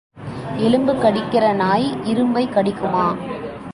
எலும்பு கடிக்கிற நாய் இரும்பைக் கடிக்குமா?